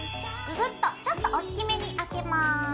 ググッとちょっとおっきめにあけます。